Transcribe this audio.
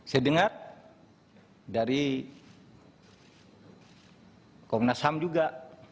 saya dengar dari kompol nas ham juga